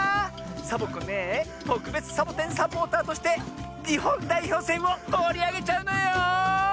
サボ子ねえとくべつサボテンサポーターとしてにほんだいひょうせんをもりあげちゃうのよ！